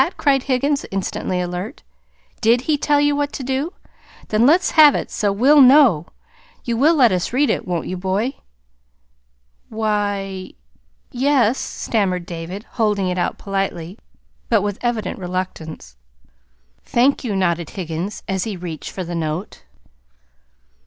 cried Higgins, instantly alert. "DID he tell you what to do? Then, let's have it, so WE'LL know. You will let us read it, won't you, boy?" "Why, y yes," stammered David, holding it out politely, but with evident reluctance. "Thank you," nodded Higgins, as he reached for the note.